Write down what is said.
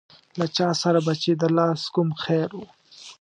له چا سره به چې د لاس کوم خیر و.